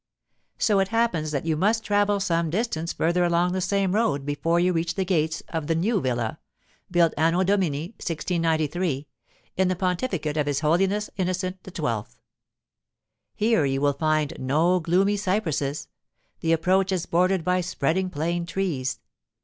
So it happens that you must travel some distance further along the same road before you reach the gates of the new villa, built anno domini 1693, in the pontificate of his Holiness Innocent XII. Here you will find no gloomy cypresses: the approach is bordered by spreading plane trees.